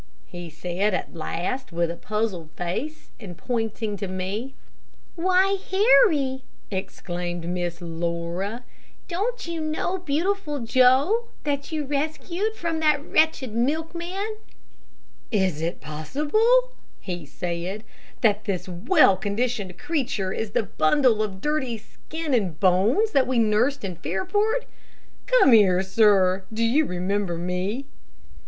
he said at last, with a puzzled face, and pointing to me. "Why, Harry," exclaimed Miss Laura, "don't you know Beautiful Joe, that you rescued from that wretched milkman?" "Is it possible," he said, "that this well conditioned creature is the bundle of dirty skin and bones that we nursed in Fairport? Come here, sir. Do you remember me?"